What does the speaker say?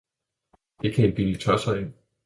Det kan I bilde tosser ind!